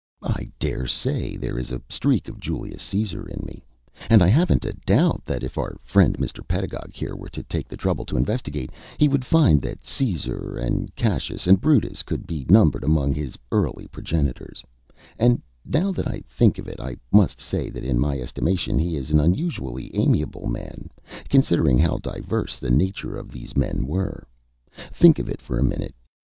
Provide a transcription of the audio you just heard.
I dare say there is a streak of Julius Cæsar in me, and I haven't a doubt that if our friend Mr. Pedagog here were to take the trouble to investigate, he would find that Cæsar and Cassius and Brutus could be numbered among his early progenitors and now that I think of it, I must say that in my estimation he is an unusually amiable man, considering how diverse the nature of these men were. Think of it for a minute.